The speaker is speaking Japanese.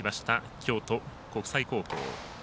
京都国際高校。